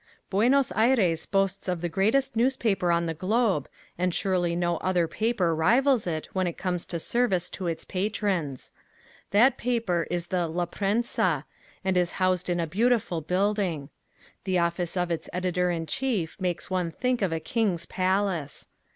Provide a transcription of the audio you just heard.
Buenos Aires boasts of the greatest newspaper on the globe and surely no other paper rivals it when it comes to service to its patrons. That paper is the La Prensa and it is housed in a beautiful building. The office of its editor in chief makes one think of a king's palace.